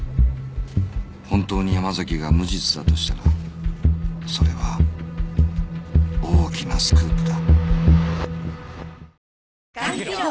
本当に山崎が無実だとしたらそれは大きなスクープだ